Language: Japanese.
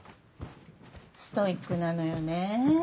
ストイックなのよね。